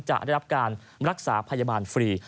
จะได้รับการรักษาพยาบาลฟรี